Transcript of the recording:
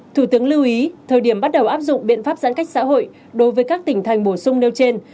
thủ tướng lưu ý thời điểm bắt đầu áp dụng biện pháp giãn cách xã hội đối với các tỉnh thành bổ sung nêu trên